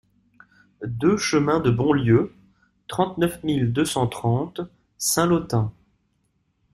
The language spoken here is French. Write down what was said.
deux chemin de Bonlieu, trente-neuf mille deux cent trente Saint-Lothain